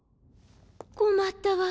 困ったわ。